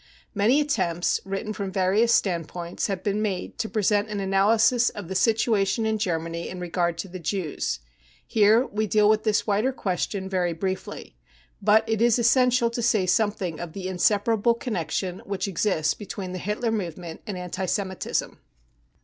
55 Many attempts, written from various standpoints, have been made to present an analysis of the situation in Germany in regard to the Jews. Here we deal with this wider question very briefly ; but it is essential to say some thing of the inseparable connection which exists between the Hitler movement and anti Semitism.